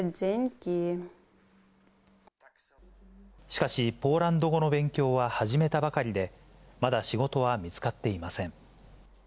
しかし、ポーランド語の勉強は始めたばかりで、まだ仕事は見つかっていません。